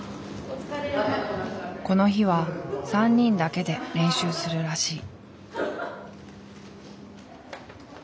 この日は３人だけで練習するらしい。